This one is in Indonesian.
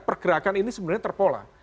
pergerakan ini sebenarnya terpola